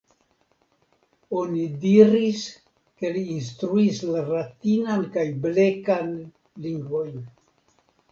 Oni diris ke li instruis la Ratinan kaj Blekan lingvojn.